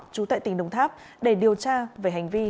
trú tại tỉnh đồng tháp để điều tra về hành vi